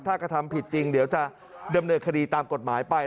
ถ้ากระทำผิดจริงเดี๋ยวจะดำเนินคดีตามกฎหมายไป